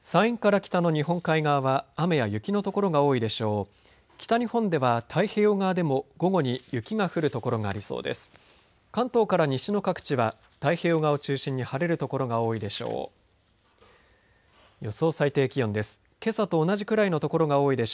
北日本では太平洋側でも午後に雪が降る所がありそうです。